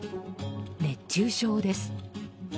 熱中症です。